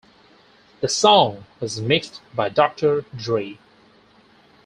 The song was mixed by Doctor Dre.